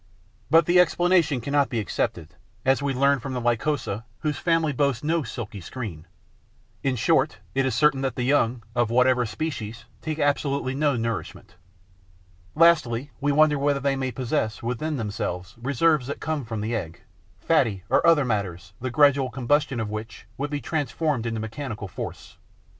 But the explanation cannot be accepted, as we learn from the Lycosa, whose family boasts no silky screen. In short, it is certain that the young, of whatever species, take absolutely no nourishment. Lastly, we wonder whether they may possess within themselves reserves that come from the egg, fatty or other matters the gradual combustion of which would be transformed into mechanical force.